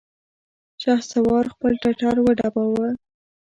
شهسوار خپل ټټر وډباوه!